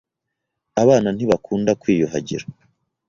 Abana ntibakunda kwiyuhagira.